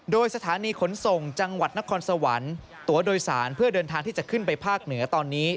โดยสถานีขนส่งจังหวัดนครสวรรค์ตัวโดยสารเพื่อเดินทางที่จะขึ้นไปภาคเหนือตอนนี้